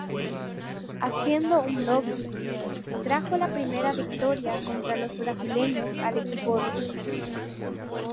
Haciendo un doble, trajo la primera victoria contra los brasileños al equipo ruso.